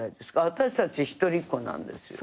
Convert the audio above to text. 私たち一人っ子なんですよ。